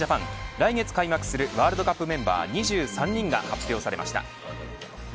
来月開幕するワールドカップメンバー２３人が発表されました。